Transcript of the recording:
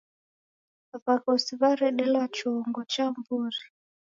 W'aghosi w'aredelwa chongo cha mburi.